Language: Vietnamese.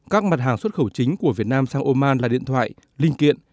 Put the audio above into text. các mặt hàng xuất khẩu chính của việt nam sang oman là điện thoại linh kiện